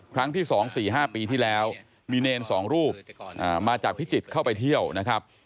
ครั้งที่๒๔๕ปีที่แล้วมีเนร๒รูปมาจากพิจิตรเข้าไปเที่ยวนะครับ